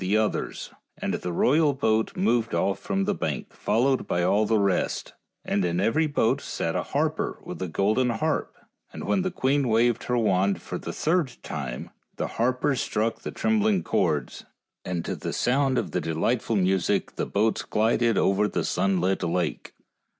kni\v if he would join them" THE ENCHANTED CAVE 59 the others, and the royal boat moved off from the bank followed by all the rest, and in every boat sat a harper with a golden harp, and when the queen waved her wand for the third time, the harpers struck the trembling chords, and to the sound of the delightful music the boats glided over the sunlit lake.